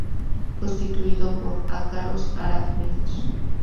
Constituido por ácaros arácnidos.